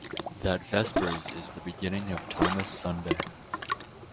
That Vespers is the beginning of Thomas Sunday.